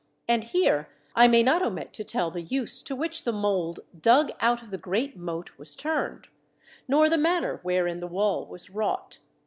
And here I may not omit to tell the use to which the mould dug out of the great moat was turned, nor the manner wherein the wall was wrought.